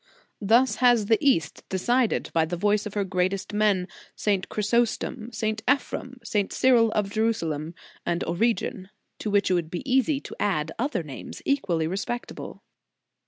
Thus has the East decided by the voice of her greatest men, St. Chrysostom, St. Eph rem, St. Cyril of Jerusalem, and Origen, to which it would be easy to add other names equally respectable.